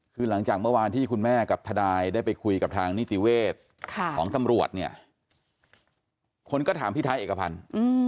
คือหลังจากเมื่อวานที่คุณแม่กับทนายได้ไปคุยกับทางนิติเวศของตำรวจเนี่ยคนก็ถามพี่ไทยเอกพันธ์